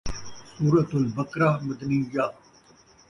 سورۃ البقرۃ مَدَنِیَّہ